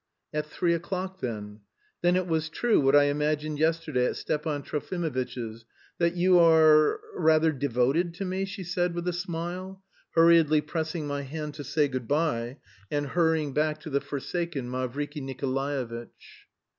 "At three o'clock then. Then it was true what I imagined yesterday at Stepan Trofimovitch's, that you are rather devoted to me?" she said with a smile, hurriedly pressing my hand to say good bye, and hurrying back to the forsaken Mavriky Nikolaevitch.